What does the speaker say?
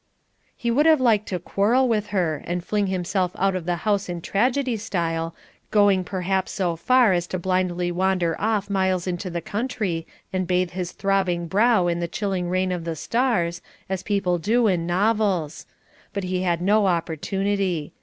He would have liked to quarrel with her, and fling himself out of the house in tragedy style, going perhaps so far as to blindly wander off miles into the country and bathe his throbbing brow in the chilling rain of the stars, as people do in novels; but he had no opportunity.